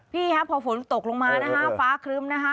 พี่ครับพอฝนตกลงมานะคะฟ้าครึ้มนะคะ